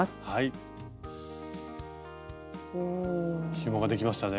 ひもができましたね。